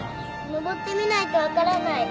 登ってみないと分からない。